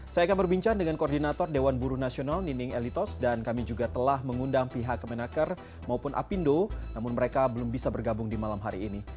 saya akan berbincang dengan koordinator dewan buruh nasional nining elitos dan kami juga telah mengundang pihak kemenaker maupun apindo namun mereka belum bisa bergabung di malam hari ini